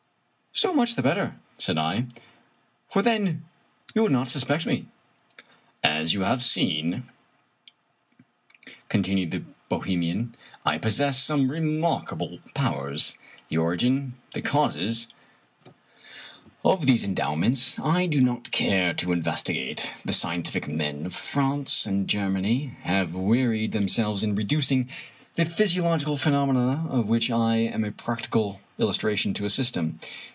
" So much the better/' said I ;" for then you will not suspect me." " As you have seen," continued the Bohemian, " I pos sess some remarkable powers. The origin, the causes of these endowments, I do not care to investigate. The scientific men of France and Germany have wearied them selves in reducing the psychological phenomena of which I am a practical illustration to a system.